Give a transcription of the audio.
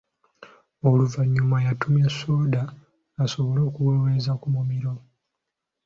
Oluvannyuma yatumya sooda asobole okuweweza ku mimiro.